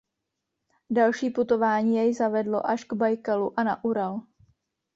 Další putování jej zavedlo až k Bajkalu a na Ural.